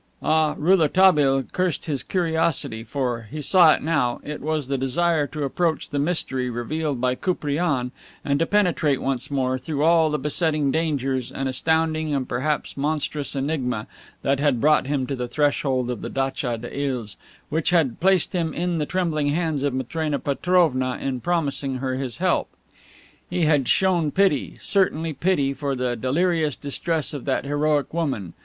Ah, Rouletabille cursed his curiosity, for he saw it now it was the desire to approach the mystery revealed by Koupriane and to penetrate once more, through all the besetting dangers, an astounding and perhaps monstrous enigma, that had brought him to the threshold of the datcha des Iles, which had placed him in the trembling hands of Matrena Petrovna in promising her his help. He had shown pity, certainly, pity for the delirious distress of that heroic woman.